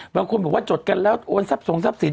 บางคนบอกว่าจดกันแล้วโอนทรัพย์ส่งทรัพย์สิน